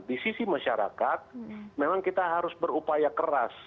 di sisi masyarakat memang kita harus berupaya keras